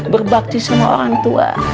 berbakti sama orang tua